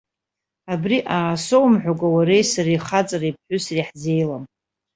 Абри аасоумхәакәа уареи сареи хаҵареи ԥҳәысреи ҳзеилам.